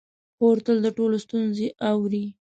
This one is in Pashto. خور تل د ټولو ستونزې اوري.